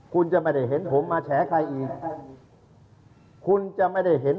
คุณชุวิตเนี่ย